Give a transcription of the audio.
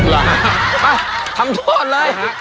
ไปทำโทษเลย